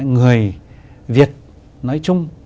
người việt nói chung